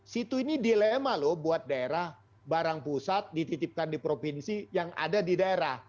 situ ini dilema loh buat daerah barang pusat dititipkan di provinsi yang ada di daerah